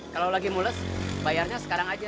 kalau lagi mules bayarnya sekarang aja